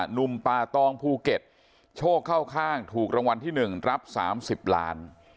หนุ่มป่าตองภูเก็ตโชคเข้าข้างถูกรางวัลที่๑รับ๓๐ล้าน